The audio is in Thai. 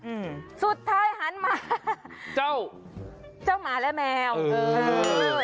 อืมสุดท้ายหันมาเจ้าเจ้าหมาและแมวเออเออ